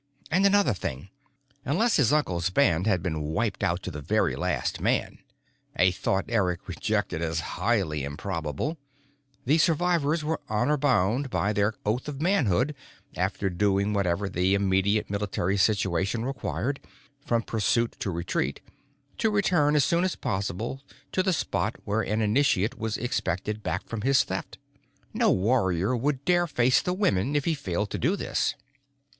And another thing. Unless his uncle's band had been wiped out to the very last man a thought Eric rejected as highly improbable the survivors were honor bound, by their oath of manhood, after doing whatever the immediate military situation required, from pursuit to retreat, to return as soon as possible to the spot where an initiate was expected back from his Theft. No warrior would dare face the women if he failed to do this.